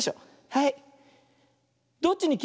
はい。